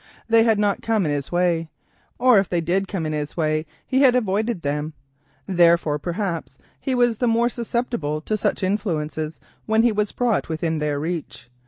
They had not come in his way, or if they did come in his way he had avoided them. Therefore, perhaps, he was the more susceptible to such influences when he was brought within their reach.